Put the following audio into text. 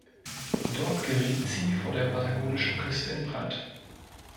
Dort geriet sie vor der patagonischen Küste in Brand.